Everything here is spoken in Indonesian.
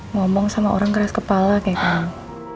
ngomong sama orang keras kepala kayak gini